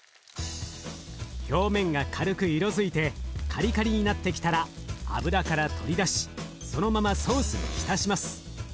表面が軽く色づいてカリカリになってきたら油から取り出しそのままソースに浸します。